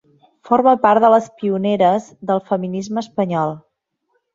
Forma part de les pioneres del feminisme espanyol.